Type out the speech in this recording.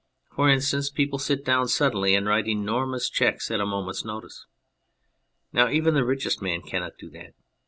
For instance, people sit down suddenly and write enor mous cheques at a moment's notice. Now even the richest man cannot do that.